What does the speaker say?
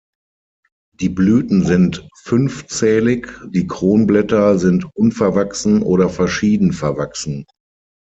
Die Blüten sind fünfzählig, die Kronblätter sind unverwachsen oder verschieden verwachsen.